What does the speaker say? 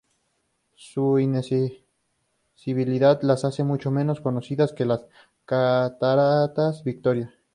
Su inaccesibilidad las hace mucho menos conocidas que las cataratas Victoria.